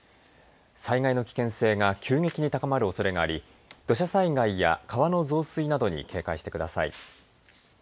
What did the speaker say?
災害の危険性が急激に高まるおそれがあり土砂災害や川の増水などに警戒してください。